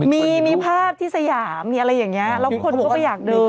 มีมีภาพที่สยามมีอะไรอย่างนี้แล้วคนก็ไปอยากดู